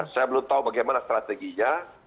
saya belum tahu bagaimana strateginya